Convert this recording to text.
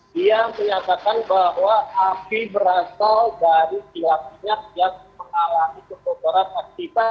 dia menyatakan bahwa api berasal dari kilang minyak yang mengalami kebocoran akibat